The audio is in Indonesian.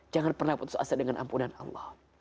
jangan pernah putus asa dengan ampunan allah